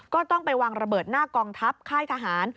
ก็ต้องไปวางระเบิดหน้ากองทัพค่ายทหาร